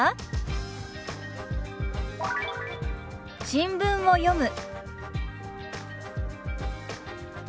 「新聞を読む」。